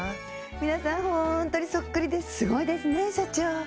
皆さんホントにそっくりですごいですね社長。